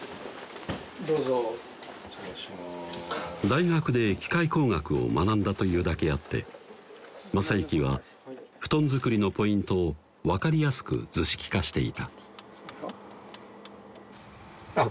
大学で機械工学を学んだというだけあって正行は布団作りのポイントを分かりやすく図式化していたあっ